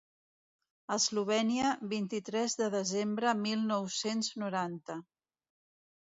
Eslovènia vint-i-tres de desembre mil nou-cents noranta.